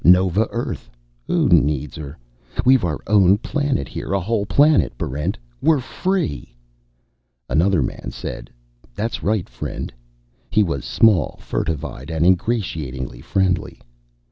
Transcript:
Nova Earth! Who needs her? We've our own planet here. A whole planet, Barrent! We're free!" Another man said, "That's right, friend." He was small, furtive eyed, and ingratiatingly friendly.